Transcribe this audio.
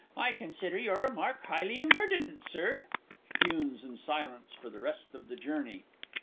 I consider your remark highly impertinent, Sir. [_Fumes in silence for the rest of the journey.